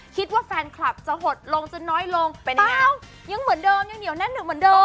คิดว่าแฟนคลับจะหดลงจนน้อยลงเป็นอ้าวยังเหมือนเดิมยังเหนียวแน่นอยู่เหมือนเดิม